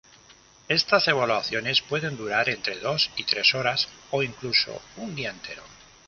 Estas evaluaciones pueden durar entre dos y tres horas, o incluso un día entero.